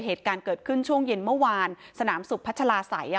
เหตุการณ์เกิดขึ้นช่วงเย็นเมื่อวานสนามสุขพัชลาศัย